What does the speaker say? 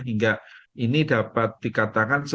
hingga ini dapat dikatakan